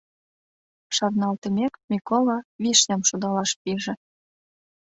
Шарналтымек, Микола Вишням шудалаш пиже.